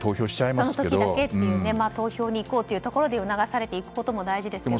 その時だけという投票に行こうと流されていくことも大事ですけど。